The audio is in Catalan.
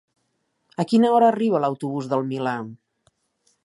A quina hora arriba l'autobús del Milà?